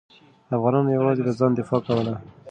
افغانانو یوازې د ځان دفاع کوله.